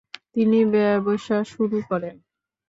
তিনি ব্যবসা শুরু করেন।